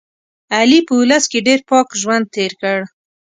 علي په اولس کې ډېر پاک ژوند تېر کړ.